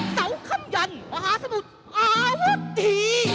เสาคำยันอาหาสมุทรอาวุธิ